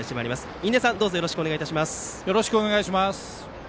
印出さん、どうぞよろしくお願いします。